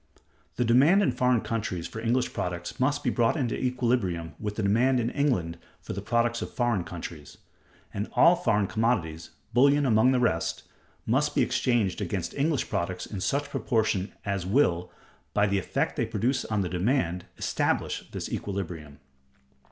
The demand in foreign countries for English products must be brought into equilibrium with the demand in England for the products of foreign countries; and all foreign commodities, bullion among the rest, must be exchanged against English products in such proportions as will, by the effect they produce on the demand, establish this equilibrium.